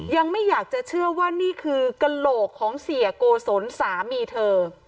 ยังไม่อยากจะเชื่อว่านี่คือกระโหลกของเสียโกศลสามีเธอ